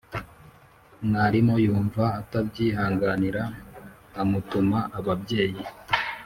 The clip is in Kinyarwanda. mwarimu yumva atabyihanganira amutuma ababyeyi.